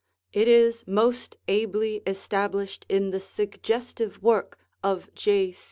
It is most ably established in the suggestive work of J.